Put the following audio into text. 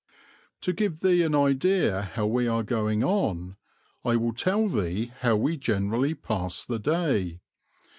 "To give thee an idea how we are going on, I will tell thee how we generally pass the day.